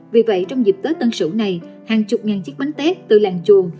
vì vậy trong dịp tết tân sửu này hàng chục ngàn chiếc bánh tét từ làng chuồng